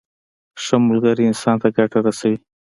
ښه ملګری انسان ته ګټه رسوي.